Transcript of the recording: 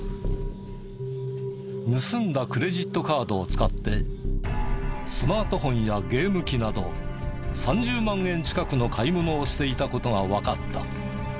盗んだクレジットカードを使ってスマートフォンやゲーム機など３０万円近くの買い物をしていた事がわかった。